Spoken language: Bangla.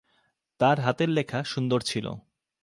তার হাতের লেখা সুন্দর ছিল।